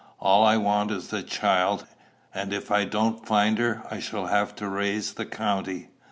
All I want is the child, and if I don't find her, I shall have to raise the county.